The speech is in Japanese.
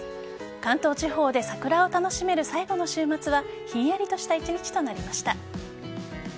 関東地方で桜を楽しめる最後の週末はひんやりとした１日となりました。